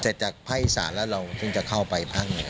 เสร็จจากไพร่อีสานแล้วเราเพิ่งจะเข้าไปพรั่ง